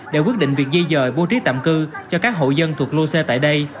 để quyết định việc di dời bố trí tạm cư cho các hộ dân thuộc lô xe tại đây